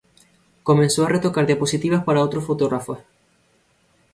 Comenzó a retocar diapositivas para otros fotógrafos.